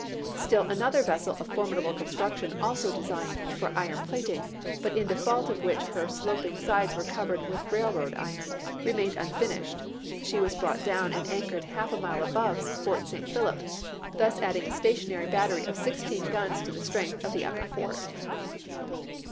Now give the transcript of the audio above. Still another vessel of formidable construction, also designed for iron plating, but in default of which her sloping sides were covered with railroad iron, remained unfinished ; she was brought down and anchored half a mile above Fort St. Philip, thus adding a stationary battery of sixteen guns to the strength of the upper fort.